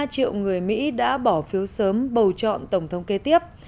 ba mươi ba triệu người mỹ đã bỏ phiếu sớm bầu chọn tổng thống kế tiếp